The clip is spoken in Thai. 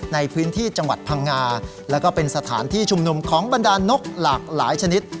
ในพื้นที่จังหวัดพังงาแล้วก็เป็นสถานที่ชุมนุมของบรรดานนกหลากหลายชนิด